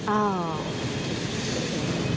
อ้าว